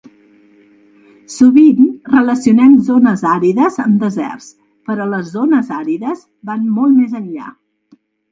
Sovint relacionem zones àrides amb deserts, però les zones àrides van molt més enllà.